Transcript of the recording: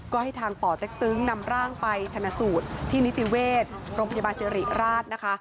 ก็ให้ทางป่อเต็กตึงนำร่างไปชนะสูตรที่นิติเวชโรงพยาบาลสิริราชนะคะ